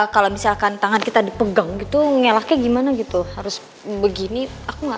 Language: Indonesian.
kalau misalkan tangan kita dipegang gitu ngelaknya gimana gitu harus begini aku nggak